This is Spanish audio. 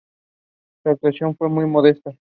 Su actuación fue muy modesta.